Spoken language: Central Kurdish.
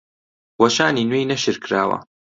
وەشانی نوێی نەشر کراوە